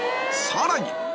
さらに！